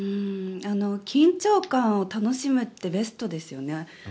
緊張感を楽しむってベストですよね。